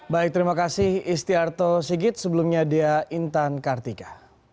baik terima kasih istiarto sigit sebelumnya dea intan kartika